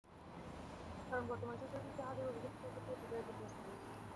কারণ, বর্তমান সরকারের বিরুদ্ধে হাজারো অভিযোগ থাকা সত্ত্বেও, তাদের একটা প্লাস পয়েন্ট।